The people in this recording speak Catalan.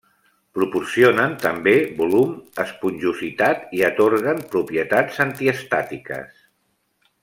Proporcionen també volum, esponjositat i atorguen propietats antiestàtiques.